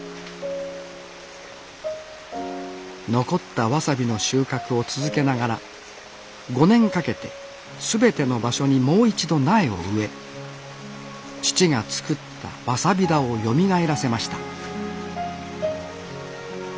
残ったわさびの収穫を続けながら５年かけて全ての場所にもう一度苗を植え父が作ったわさび田をよみがえらせました